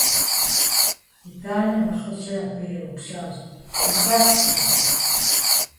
ИтӀанэ, нэхъыжьыр абы еупщӀащ: - Ухэт уэ?